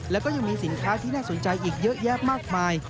แล้วก็ยังมีสินค้าที่น่าสนใจอีกเยอะแยะมากมาย